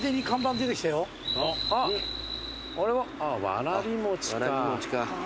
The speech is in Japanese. わらび餅か。